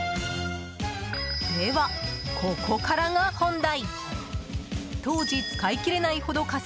では、ここからが本題。